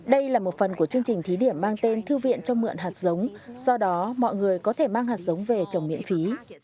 đây là một phần của chương trình thí điểm mang tên thư viện cho mượn hạt giống do đó mọi người có thể mang hạt giống về trồng miễn phí